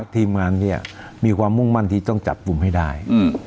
ทีมงานเนี่ยมีความมุ่งมั่นที่ต้องจับกลุ่มให้ได้